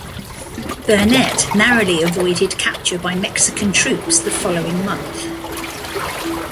Burnet narrowly avoided capture by Mexican troops the following month.